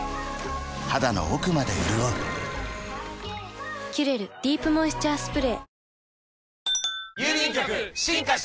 肌の奥まで潤う「キュレルディープモイスチャースプレー」